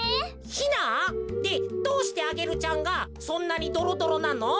ヒナ？でどうしてアゲルちゃんがそんなにドロドロなの？